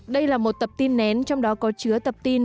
đây là một tập tin nén trong đó có chứa tập tin